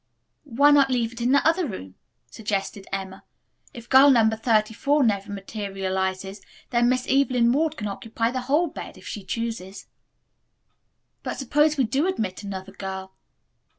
"Why not leave it in the other room," suggested Emma. "If girl number thirty four never materializes then Miss Evelyn Ward can occupy the whole bed, if she chooses." "But suppose we do admit another girl?"